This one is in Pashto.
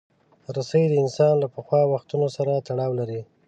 رسۍ د انسان له پخوا وختونو سره تړاو لري.